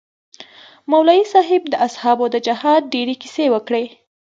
مولوي صاحب د اصحابو د جهاد ډېرې كيسې وكړې.